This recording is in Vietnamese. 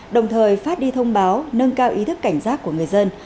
đồng thời phát đi thông báo nâng cao ý thức cảnh giác của người dân